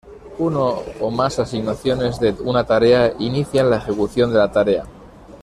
Una o más asignaciones de una tarea inician la ejecución de la tarea.